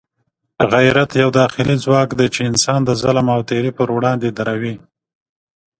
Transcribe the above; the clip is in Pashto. غیرت یو داخلي ځواک دی چې انسان د ظلم او تېري پر وړاندې دروي.